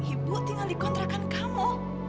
ibu tinggal dikontrakan kamu